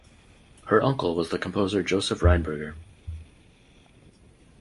Her uncle was the composer Josef Rheinberger.